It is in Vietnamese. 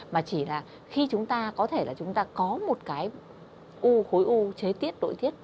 mà chỉ là khi chúng ta có thể là chúng ta có một cái u khối u chế tiết nội tiết